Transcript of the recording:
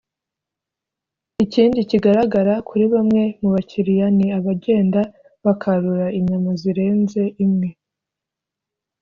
Ikindi kigaragara kuri bamwe mu bakiriya ni abagenda bakarura inyama zirenze imwe